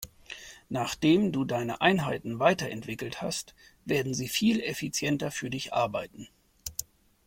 Nachdem du deine Einheiten weiterentwickelt hast, werden sie viel effizienter für dich arbeiten.